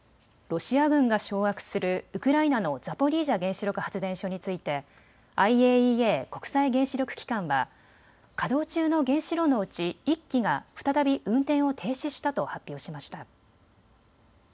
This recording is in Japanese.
ロシア軍が掌握するウクライナのザポリージャ原子力発電所についてＩＡＥＡ・国際原子力機関は稼働中の原子炉のうち１基が再び運転を停止したと発表しました。